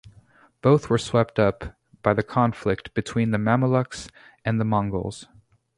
Both were swept up by the conflict between the Mameluks and the Mongols.